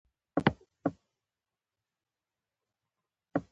وسله عقل ختموي